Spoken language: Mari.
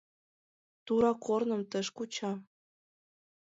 Тура корным тыш куча.